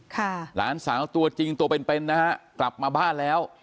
หลานสาวตัวจริงตัวเป็นเป็นนะฮะกลับมาบ้านแล้ว